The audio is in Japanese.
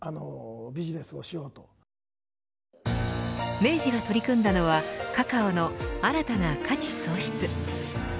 明治が取り組んだのはカカオの新たな価値創出。